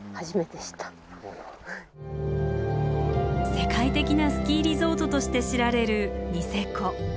世界的なスキーリゾートとして知られるニセコ。